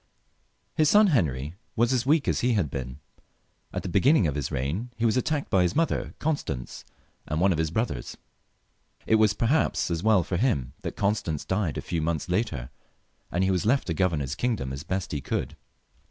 His son Henry was as weak as he had been. At the beginning of his reign he was attacked by his mother, Constance, and one of his brothers. It was, perhaps, as well for him that Constance died a few months later» and he was left to govern his kingdom as best he could.